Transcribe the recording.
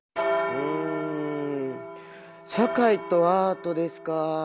うん「社会とアート」ですか。